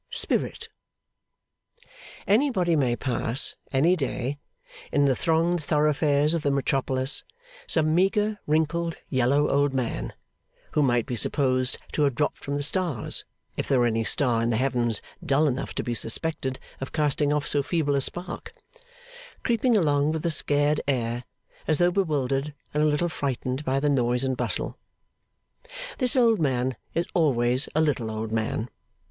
Spirit Anybody may pass, any day, in the thronged thoroughfares of the metropolis, some meagre, wrinkled, yellow old man (who might be supposed to have dropped from the stars, if there were any star in the Heavens dull enough to be suspected of casting off so feeble a spark), creeping along with a scared air, as though bewildered and a little frightened by the noise and bustle. This old man is always a little old man.